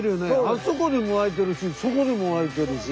あそこでも湧いてるしそこでも湧いてるし。